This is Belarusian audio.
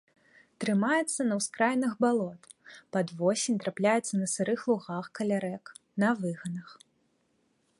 Трымаецца на ўскраінах балот, пад восень трапляецца на сырых лугах каля рэк, на выганах.